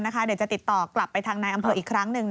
เดี๋ยวจะติดต่อกลับไปทางนายอำเภออีกครั้งหนึ่ง